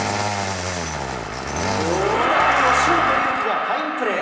この打球をショート、がファインプレー。